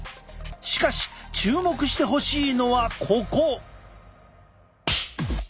しかし注目してほしいのはここ。